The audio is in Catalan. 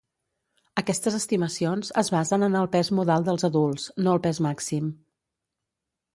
Aquestes estimacions es basen en el pes modal dels adults, no el pes màxim.